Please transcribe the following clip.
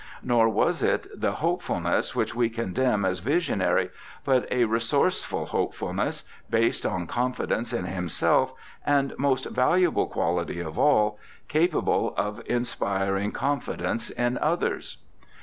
Nor was it the hopefulness which we condemn as visionary, but a resourceful hopefulness, based on confidence in himself, and, most valuable quality of all, capable of inspiring confidence in others.